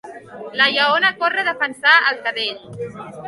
La lleona corre a defensar el cadell.